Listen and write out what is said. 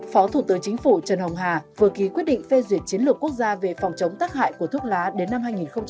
phó thủ tướng chính phủ trần hồng hà vừa ký quyết định phê duyệt chiến lược quốc gia về phòng chống tắc hại của thuốc lá đến năm hai nghìn ba mươi